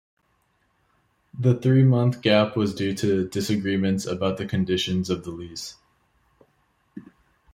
The three-month gap was due to disagreements about the conditions of the lease.